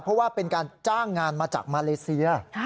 เพราะว่าเป็นการจ้างงานมาจากมาเลเซีย